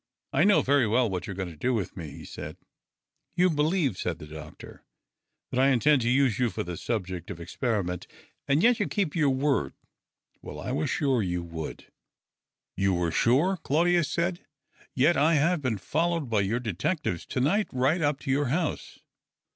" I know very well what you are going to do with me," he said. "You believe," said the doctor, "that I intend to use you for the subject of experiment. And yet you keep your word — well, I was sure you would." " You were sure I " Claudius said. " Yet I 314 THE OCTAVE OF CLAUDIUS. have been followed 1)y your detectives to inglit right up to your house."